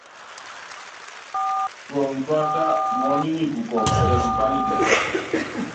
Tuɔŋu túata, muɔ́nu nyi kɔ́ɔkun tɛ kukalitɛ.